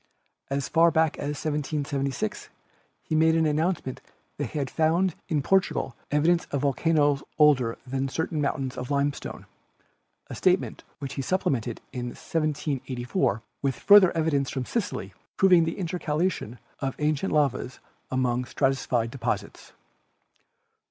As far back as 1776 he made the announcement that he had found in Portugal evidence of volcanoes older than certain moun tains of limestone — a statement which he supplemented in 1784 with further evidence from Sicily, proving the inter calation of ancient lavas among stratified deposits.